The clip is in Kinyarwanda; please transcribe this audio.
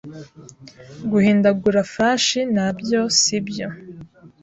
Guhindagura flash nabyo si byo